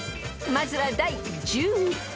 ［まずは第１０位］